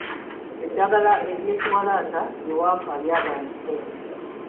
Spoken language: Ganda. Eddagala ly’ekiwalaata lye wampa lyagaana okukola.